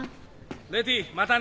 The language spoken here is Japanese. レティーまたね。